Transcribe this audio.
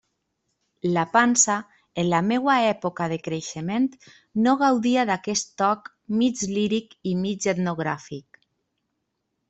La pansa, en la meua època de creixement, no gaudia d'aquest toc mig líric i mig etnogràfic.